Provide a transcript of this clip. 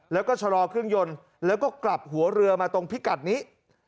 แล้วก็ชะลอเครื่องยนต์แล้วก็กลับหัวเรือมาตรงพิกัดนี้